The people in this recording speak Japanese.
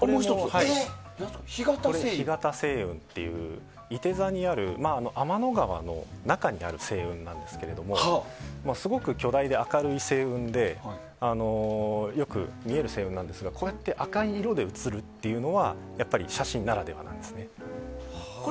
これは干潟星雲といういて座にある天の川の中にある星雲なんですがすごく巨大で明るい星雲でよく見える星雲なんですがこれって赤い色で写るというのはやっぱり写真ならではですね。